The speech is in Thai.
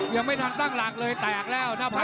ยังไม่ทันตั้งหลักเลยแตกแล้วหน้าผา